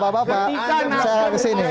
bapak bapak saya kesini